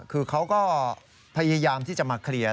คือเขาก็พยายามที่จะมาเคลียร์